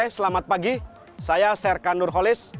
selamat pagi saya serka nurholis